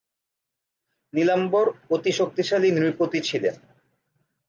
নীলাম্বর অতি শক্তিশালী নৃপতি ছিলেন।